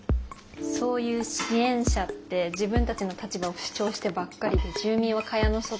そういう支援者って自分たちの立場を主張してばっかりで住民は蚊帳の外。